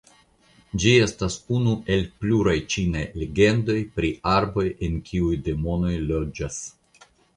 Ĝi estas unu el pluraj ĉinaj legendoj pri arboj en kiuj demonoj loĝas.